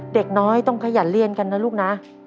เด็กน้อยต้องขยันเรียนกันนะลูกนะ